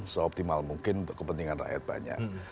seoptimal mungkin untuk kepentingan rakyat banyak